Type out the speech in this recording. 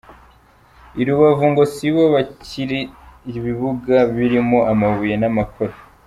I Rubavu, ngo sibo bakira ibibuga birimo amabuye n’amakoro ….